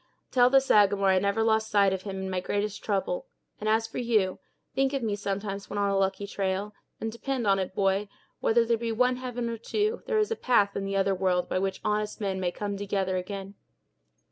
Tell the Sagamore I never lost sight of him in my greatest trouble; and, as for you, think of me sometimes when on a lucky trail, and depend on it, boy, whether there be one heaven or two, there is a path in the other world by which honest men may come together again.